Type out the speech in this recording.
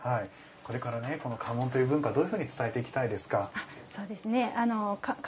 これから家紋という文化どういうふうに伝えていきたいですか？